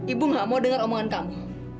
ibu gak mau dengar omongan kami